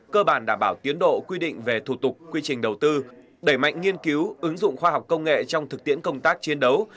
cơ bản đảm bảo tiến độ quy định về thủ tục quy trình đầu tư đẩy mạnh nghiên cứu ứng dụng khoa học công nghệ trong thực tiễn công tác chiến đấu